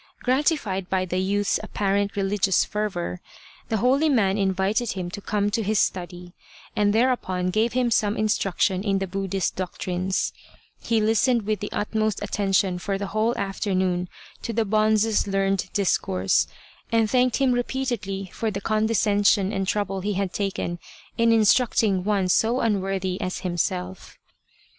Gratified by the youth's apparent religious fervour, 276 J/ V >= N /. \a i The Badger Haunted Temple the holy man invited him to come to his study, and thereupon gave him some instruction in the Buddhist doctrines. He listened with the utmost attention for the whole afternoon to the bonze's learned discourse, and thanked him repeatedly for the condescension and trouble he had taken in instructing one so unworthy as himself.